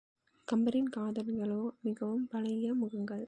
கம்பரின் காதலர்களோ மிகவும் பழைய முகங்கள்.